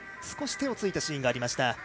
少し手をついたシーンがありました。